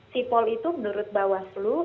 sipol itu menurut bawaslu